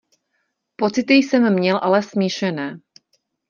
Pocity jsem měl ale smíšené.